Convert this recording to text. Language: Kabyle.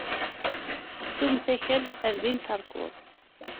Ssummet akal, ar din terkuḍ.